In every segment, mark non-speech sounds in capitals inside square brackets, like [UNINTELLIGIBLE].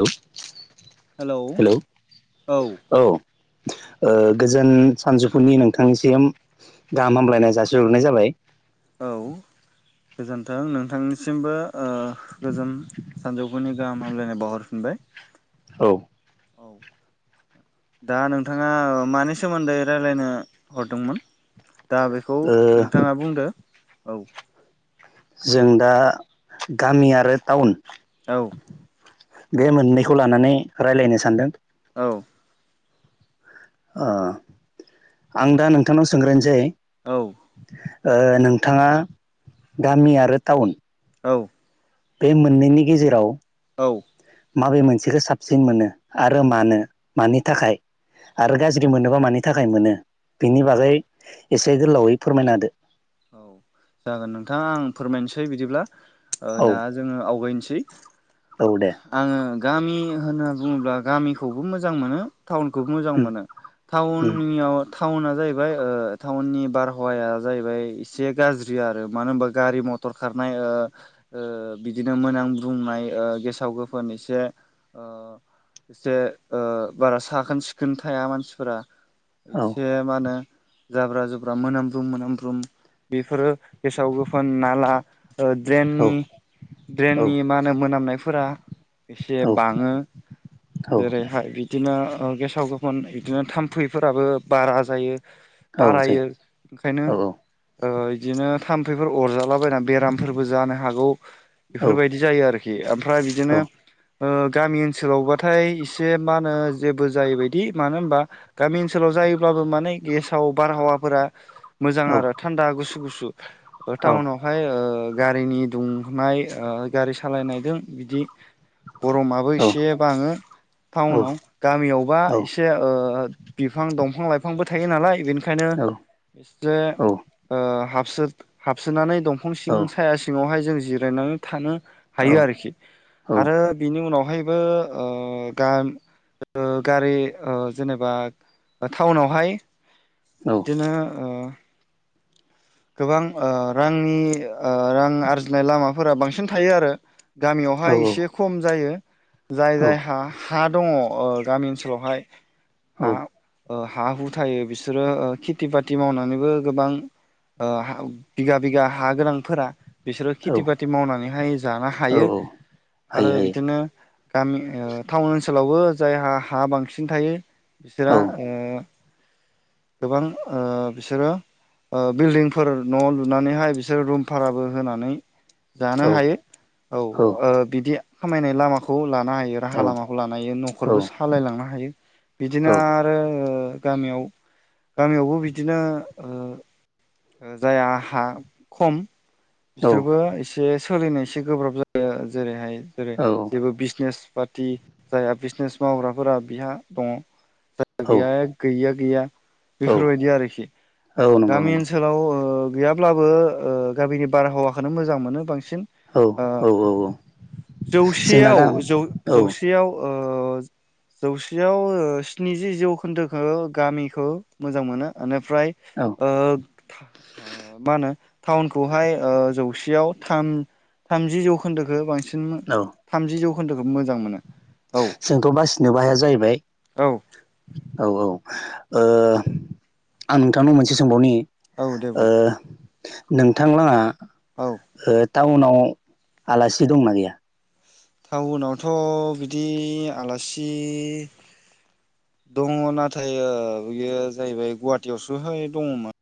Hello hello औ [UNINTELLIGIBLE] ओ गोजोन सानजौफुनि नोंथांनिसिम गाहाम हामलायनाय जासिहरनाय जाबाय औ गोजोन्थों नोंथांनिसिमबो ओ गोजोन सानजौफुनि गाहाम हामलायनाय बावहरफिन बाय औ दा नोंथाङा मानि सोमोन्दै रायजलायनो हरदोंमोन दा बेखौ नोंथाङा बुंदो औ जों दा गामि आरो टाउन औ बे मोननैखौ लानानै रायलायनो सानदों औ ओ आं दा नोंथांनाव सोंग्रानोसै औ ओ नोंथाङा गामि आरो टाउन औ बे मोननैनि गेजेराव औ माबे मोनसेखौ साबसिन मोनो आरो मानो मानि थाखाय आरो गाज्रि मोनोबा मानि थाखाय मोनो बिनि बागै औ एसे गोलावै फोरमायना होदो औ जागोन नोंथाङा आं फोरमायनोसै बिदिब्ला ओ दा होदो जोङो आवगायनोसै औ दे आङो गामि होनना बुङोब्ला गामिखौबो मोजां मोनो टाउनखौ मोजां उम मोनो उम टाउननियाव टाउना जाहैबाय ओ टाउननि बारहावाया जाहैबाय इसे गाज्रि आरो मानो होनबा गारि मथर खारनाय ओ ओ बिदिनो मोनाब्रुं नाय गेसाव गोफोन एसे ओ एसे ओ बारा साखोन सिखोन थाया मानसिफोरा । औ एसे मा होनो जाब्रा जुब्रा मोनामब्रुं मोनामब्रुं बेफोरो गेसाव गोफोन नाला ओ औ ड्रननि औ ड्रेननि मा होनो मोनामनायफोरा एसे औ बाङो औ जै औ जेरैहाय बिदिनो ओ गेसाव गोफोन बिदिनो थाम्फैफोराबो बारा जायो । बारायो ओंखायनो ओ इदिनो थाम्फैफोर अरजा ला बायना बेरामफोरबो जानो हागौ बेफोरबायदि जायो आरोखि । ओमफ्राय बिदिनो ओ गामि ओनसोलावबाथाय एसे मा होनो जेबो जायो बदि मानो होनबा गामि ओनसोलाव जायोब्लाबो माने गेसाव बारहावाफोरा मोजां आरो थान्दा गुसु गुसु टाउनावहाय ओ ओ गारिनि दुंनाय ओ गारि सालायनायदों बिदि गरमाबो एसे बाङो टाउनाव गामियावबा एसे ओ बिफां दंफां लाइफांबो थायो नालाय बेनिखायनो एसे ओ हाबसो हाबसोनानै दंफां औ सिं साया सिङावहाय जों जिरायनानै थाङो हायो आरोखि । आरो बिनि उनावहायबो ओ गा गारि जेनेबा ओ टाउनावहाय बिदिनो ओ गोबां ओ रांनि ओ रां आरजिनाय लामाफोरा बांसिन थायो आरो । गामियावहाय एसे खम जायो । जाय जाय हा हा दङ गामि ओनसोलावहाय हा हा हु थायो बिसोरो खेथि बाथि मावनानैबो गोबां ओ बिगा बिघा हा गोनांफोरा, बिसोरो खेथि बाथि मावनानैहाय जानो हायो आरो बिदिनो, गामि ओ टाउन ओनसोलावबो जायहा हा बांसिन थायो औ बिसोरहा औ ओ गोबां ओ बिसोरो बिल्डिं, फोर न' लुनानैहाय बिसोर रुम भाराबो होनानै, जानो हायो औ ओ बिदि खामायनाय लामाखौ लानो हायो औ राहा लामाखौ लानोहायो औ न'खरबो सालाय लांनो हायो बिदिनो आरो गामियाव गामियावबो बिदिनो जाय हा खम बिसोरबो एसे, सोलिनो एसे गोब्राब जायो जेरैहाय जेरै जेबो बिजनेस पाति जाया बिजनेस मावग्राफोरा बिहा दङ जायहा औ गैया गैयिया गैया, औ बेफोरबायदि आरोखि औ नंगौ गामि नंगौ ओन सोलाव ओ गैयाब्लाबो ओ गामिनि बारहावाखौनो मोजां मोनो बांसिन, औ [UNINTELLIGIBLE] ओ औ जौ औ जोंना जौसेयाव गाहाम जौ जौ औ जौसेयाव, ओ जौसेयाव स्निजि जौखोन्दोखौ गामिखौ मोजां मोनो फ्राय ओ मा होनो टाउनखौहाय ओ जौसेयाव, याव जौसेयाव थामजि जौखौन्दोखौ बांसिन औ थामजि जौ जोंथ' बासिनोबोहाया जाहैबाय, औ औ औ ओ आं नोंथांनाव मोनसे सोंबावनि, औ दे ओ बुं नोंथां लांङा औ ओ टाउनाव आलासि दंना गैया? टाउनावथ' बिदि आलासि, दङ नाथाय बियो जाहैबाय गुवाहाटियावसोहाय दङमोन,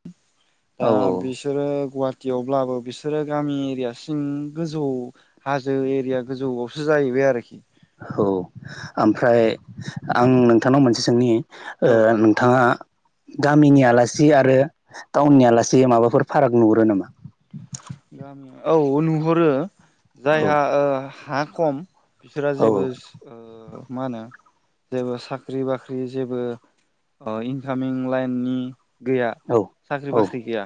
औ दा बिसोरो गुवा टिब्लाबो बिसोरो गामि एरिया सिं गोजौ हाजो एरिया गोजौआव, सो जाहैबाय आरोखि, औ ओमफ्राय आं नोंथांनाव मोनसे सोंनि औ ओ नोंथाङा, गामिनि आलासि आरो टाउननि आलासि माबाफोर फाराग नुहुरो नामा? गामिया औ नुहरो औ जायहा ओ हा खम, बिसा औ जेबो मा होनो जेबो साख्रि बाख्रि जेबो, ओ इनकामिं लाइननि, गैया औ साख्रि औ बाख्रि गैया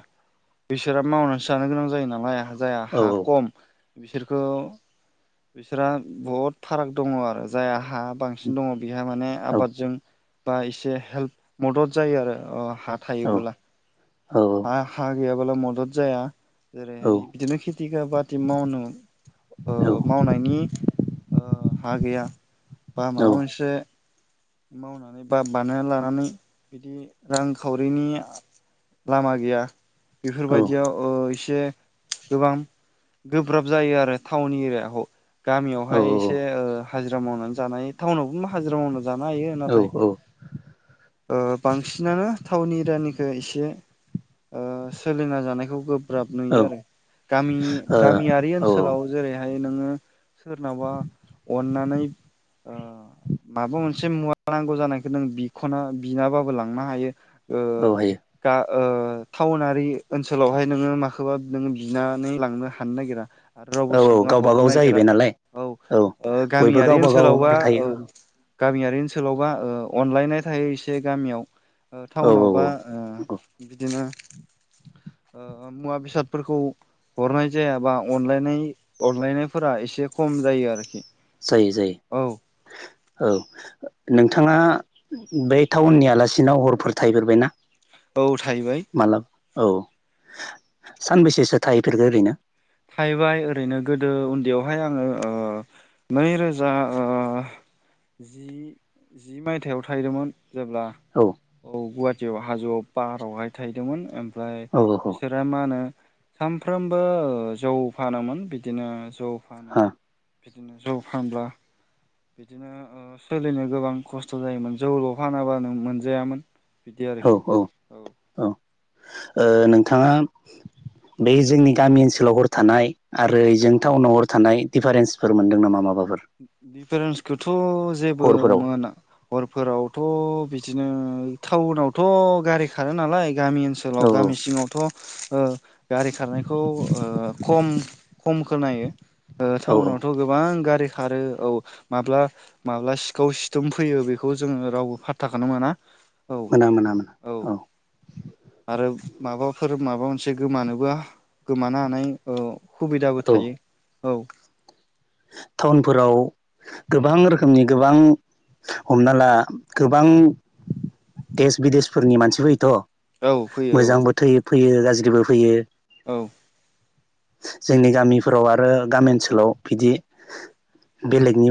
बिसोरा मावनानैसो जानो गोनां जायो नालाय जाय औ हा खम बिसोरखौ, बिसोरहा बहुद फाराग दङ आरो जाया, हा बांसिन दङ बेहा माने औ आबादजों बा एसे हेल्प मदद जायो आरो अ हा औ थायोब्ला औ हागैयाबाला मदद जाया, औ जेरैहाय बिदिनो खेथि बाथि मावनो, ओ मावनायनि ओ हा गैया बा औ माबा मोनसे, मावनानै बा बानायना लानानै बिदि रांखावरिनि लामा गैया औ बेफोरबायदियाव ओ एसे गोबां गोब्राब जायो आरो टाउन एरियाखौ गामियावहाय एसे ओ हाजिरा मावनानै जानाय टाउनावबो हाजिरा मावना जानो हायो औ नाथाय ओ बांसिनानो टाउन एरियानिखौ एसे, ओ सोलिना जानायखौ गोब्राब नुयो आरो गामि गामियारि औ ओनसोलाव जेरैहाय, नोङो सोरनावबा अननानै ओ माबा मोनसे मुवा नांगौ जानायखौ नों बिख'ना बिनाबाबो लांनो हायो। ओ औ हायो गा ओ टाउनारि ओनसोलावहाय नोङो माखौबा नोङो बिनानै लांनो हानो नागिरा। आरो रावबो औ औ सुबुंङा गावबा हरनो गाव नागिरा। जाहैबाय नालाय औ ओ बयबो गामियारि गावबा गाव ओनसोलावबा औ। थायो गामियारि ओनसोलावबा ओ अनलायनाय थायो एसे गामियाव। ओ औ टाउनावबा ओ औ बिदिनो। [UNINTELLIGIBLE] ओ मुवा बेसादफोरखौ हरनाय जाया बा अनलायनाय अनलायनायफोरा एसे खम जायो आरोखि। जायो औ जायो औ नों नोंथाङा बै टाउननि आलासिनाव हरफोर थाहैफेरबायना? औ थाहैबाय मालाब औ सानबैसेसो थाहैफेरगो ओरैनो। थाहैबाय ओरैनो गोदो उन्दैयावहाय आङो ओ नैरोजा ओ जि जि मायथाइाव थाहैदोंमोन जेब्ला औ गुवाहाटियाव हाजोआव पाहारावहाय थाहैदोंमोन। ओमफ्राय औ औ बिसोरो मा होनो सामफ्रोमबो ओ जौ फानोमोन बिदिनो। जौ फानो हा बिदिनो जौ फानब्ला बिदिनो ओ सोलिनो गोबां खस्थ' जायोमोन जौल' फानाबानो मोनजायामोन बिदि औ आरोखि औ औ ओ नोंथाङा बे जोंनि गामि ओनसोलाव हर थानाय आरो ओइजों टाउनाव हर थानाय दिडिफारेन्सफोर मोनदों नामा माबाफोर दिफारेन्सखौथ' जेबो हरफोराव मोना हरफोरावथ' बिदिनो टाउनावथ' गारि खारो नालाय गामि ओनसोलाव औ गामि सिङावथ' ओ गारि खारनायखौ ओ खम। खम खोनायो ओ औ औ टाउनावथ' गोबां गारि खारो औ माब्ला माब्ला सिखाव सिथोम फैयो बेखौ जोङो रावबो फाथ्थाखौनो मोना। औ मोना मोना मोना औ आरो माबाफोर माबा मोनसे गोमानोबो हा गोमानो हानाय औ हुबिदाबो औ थायो औ। फोराव गोबां रोखोमनि गोबां हमना ला गोबां देश बिदेशफोरनि मानसि फोयोथ' औ फैयो औ फैयो गाज्रिबो फैयो। औ। जोंनि गामिफोराव आरो गामि ओनसोलाव बिदि बेलेगनि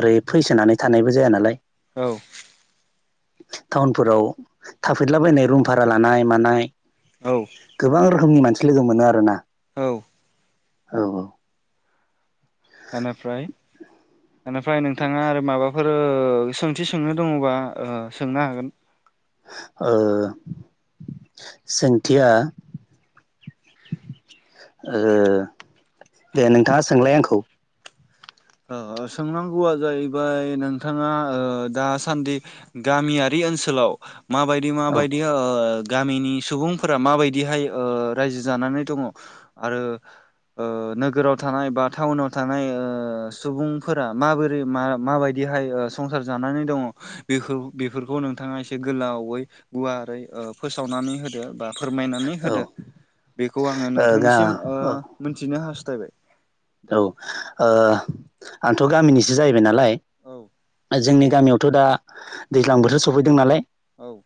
ओरै फैसोनानै थानायबो जाया नालाय। औ टाउनफोराव थाफैदलाबायनाय रुम भारा लानाय मानाय। औ। गोबां रोखोमनि मानसि लोगो मोनो आरो ना। औ। औ औ बेनिफ्राय बेनिफ्राय नोंथाङा आरो माबाफोर ओ सोंथि सोंनो दङबा ओ सोंनो हागोन ओ सोंथिया। ओ दे नोंथाङा सोंलाय आंखौ। ओ ओ सोंनांगौआ जाहैबाय नोंथाङा ओ दासान्दि गामियारि ओनसोलाव माबायदि औ माबायदि ओ ओ गामिनि सुबुंफोरा माबायदिहाय ओ रायजो जानानै दङ' आरो ओ नोगोराव थानाय बा टाउनाव थानाय ओ सुबुंफोरा माबोरै मा माबायदिहाय ओ संसार जानानै दङ' बेफोर-बेफोरखौ नों थाङा एसे गोलावै गुवारै ओ फोसावनानै होदो। बा फोरमायनानै औ ओ होदो बेखौ आङो गा नोंथांनिसिम ओ औ मोन्थिनो हास्थायबाय। औ दे ओ आंथ' गामिनिसो जाहैबाय नालाय औ जोंनि गामियाव थ' दा दैज्लां बोथोर सफैदों नालाय। औ।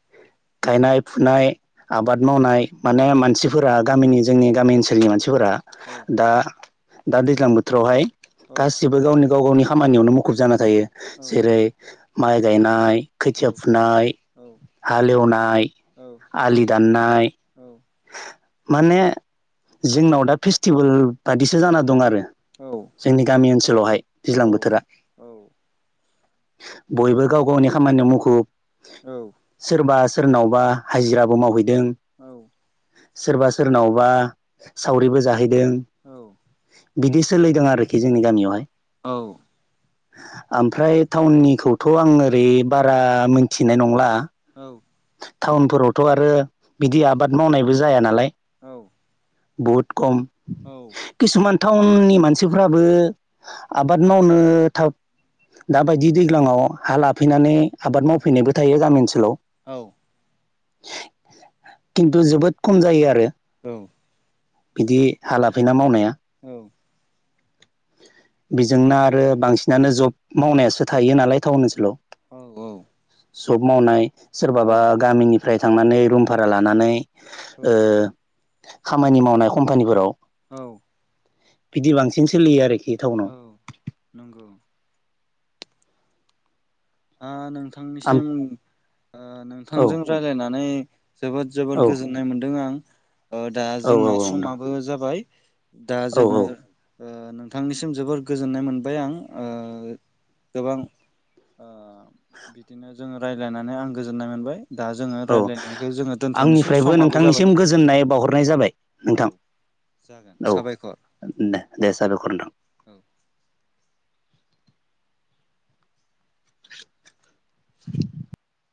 गायनाय फुनाय आबाद मावनाय माने औ मानसिफोरा गामिनि जोंनि गामि ओनसोलनि मानसि फोरा औ दा दा दैज्लां बोथोरावहाय औ गासिबो गावनि गाव गावनि खामानियावनो मुखुब जाना थायो औ जेरै माइ गायनाय। औ खोथिया फुनाय औ हालेवनाय औ आलि दान्नाय। औ माने जोंनाव दा फिस्टिबोल बादिसो जाना दं आरो। जोंनि गामि ओनसोलावहाय दैज्लां औ बोथोरा। बयबो गाव गावनि खामानियाव मुखुब सोरबा सो सोरनावबा हाजिराबो मावहैद औ। सोरबा सोरनावबा सावरिबो जाहैदों। बिदि सोलिदों आरोखि जोंनि गामियावहाय। औ। ओमफ्राय टाउननिखौथ' आं ओरै बारा मिन्थिनाय नंला। टाउनफोरावथ' आरो बिदि आबाद मावनायबो जाया नालाय। औ। बुहुद कम। औ। टाउनन्नि मानसिफ्राबो आबाद मावनो थाव दा बायदि दैगङाव हा लाफैनानै आबाद मावफैनायबो थायो जामि ओनसोलाव। औ। नंगौ किन्थु औ जोबोद खम जायो आरो। बिदि हा लाफैना मावनाया। औ औ। बेजोंना आरो बांसिनानो जब मावनायासो थायो नालाय टाउन ओनसोलाव। औ औ। जब मावनाय सोरबाबा गामिनिफ्राय थांनानै रुम भारा लानानै ओ खामानि मावनाय कम्पानिफोराव। औ। बिदि बांसिन सोलियो आरोखि। टाउनाव औ नंगौ। ओ आम नोंथांनिसिम ओ औ नोंथांजों रायलायनानै जोबोद जोबोद औ गोजोन्नाय मोन्दों आं। ओ दा औ जोंना औ नोंथां समाबो जाबाय। दा औ जोंङो औ ओ नोंथांनिसिम जोबोर गोजोन्नाय मोनबाय आं ओ गोबां। ओ बिदिनो जोंङो रायलायनानै आं गोजोन्नाय मोनबाय। दा जोङो औ रायज्लायनायखौ जोङो दोनथ'नोसै आंनिफ्रायबो समाबो जाबाय नोंथांनिसिम गोजोन्नाय बावहरनाय जाबाय औ नोंथां। जागोन औ साबायखर दे दे साबायखर नोंथां। औ [INAUDIBLE]